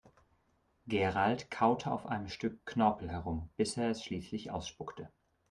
Gerald kaute auf einem Stück Knorpel herum, bis er es schließlich ausspuckte.